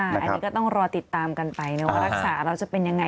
อันนี้ก็ต้องรอติดตามกันไปนะว่ารักษาแล้วจะเป็นยังไง